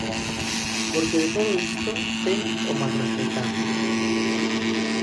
Porque de todo isto ten o macroespectáculo.